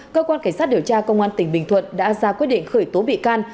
cơ quan cảnh sát điều tra công an tỉnh bình thuận đã ra quyết định khởi tố bị can